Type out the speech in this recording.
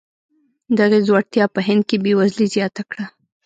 دغې ځوړتیا په هند کې بېوزلي زیاته کړه.